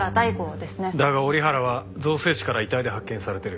だが折原は造成地から遺体で発見されてる。